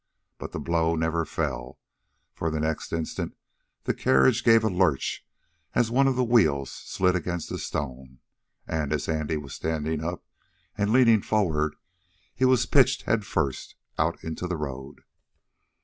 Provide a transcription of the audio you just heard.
But the blow never fell, for, the next instant, the carriage gave a lurch as one of the wheels slid against a stone, and, as Andy was standing up, and leaning forward, he was pitched head first out into the road.